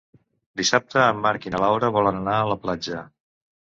Dissabte en Marc i na Laura volen anar a la platja.